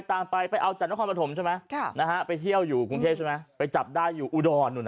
ใช่ไหมค่ะนะฮะไปเที่ยวอยู่กรุงเทพฯใช่ไหมไปจับได้อยู่อุดรนู่น